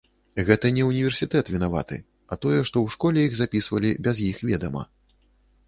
Гэта не ўніверсітэт вінаваты, а тое, што ў школе іх запісвалі без іх ведама.